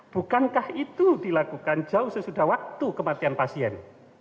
bukankah itu dilakukan jauh sesudah waktu kematian pasien